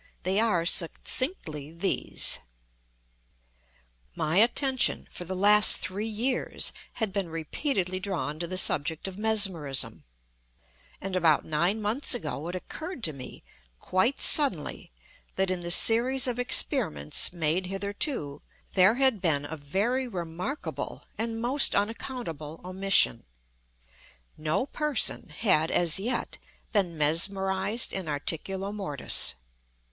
They are, succinctly, these: My attention, for the last three years, had been repeatedly drawn to the subject of Mesmerism; and, about nine months ago it occurred to me, quite suddenly, that in the series of experiments made hitherto, there had been a very remarkable and most unaccountable omission:—no person had as yet been mesmerized in articulo mortis.